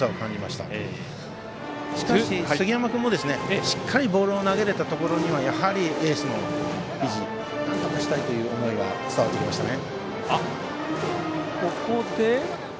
しかし、杉山君もしっかりボールを投げれたところにはやはりエースの意地なんとかしたいという思いは伝わってきましたね。